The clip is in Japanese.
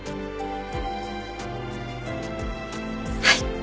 はい。